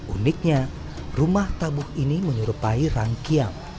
uniknya rumah tabuh ini menyerupai rangkiam